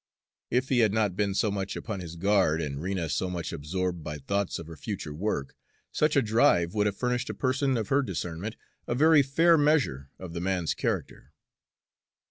If he had not been so much upon his guard and Rena so much absorbed by thoughts of her future work, such a drive would have furnished a person of her discernment a very fair measure of the man's character.